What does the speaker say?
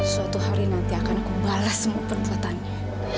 suatu hari nanti akan aku balas semua perbuatannya